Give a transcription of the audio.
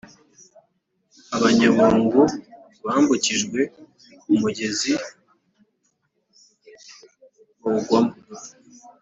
abanyabungo bambukijwe umugezi bawugwamo